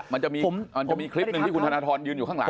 มันจะมีคลิปหนึ่งที่คุณธนทรยืนอยู่ข้างหลัง